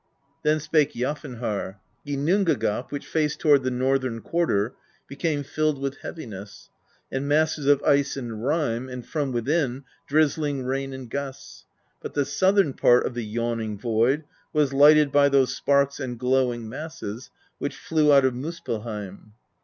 Then spake Jafn harr: "Ginnungagap, which faced toward the northern quarter, became filled with heaviness, and masses of ice and rime, and from within, drizzling rain and gusts; but the southern part of the Yawning Void was lighted by those sparks and glowing masses which flew out of Muspell heim."